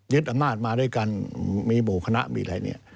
อำนาจมาด้วยกันมีหมู่คณะมีอะไรเนี่ย